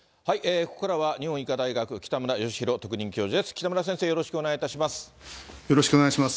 ここからは、日本医科大学、北村義浩特任教授です。